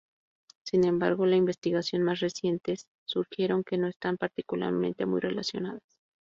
Sin embargo, las investigación más recientes sugieren que no están particularmente muy relacionadas.